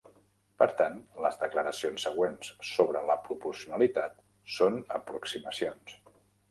Per tant, les declaracions següents sobre la proporcionalitat són aproximacions.